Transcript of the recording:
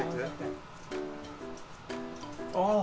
ああ！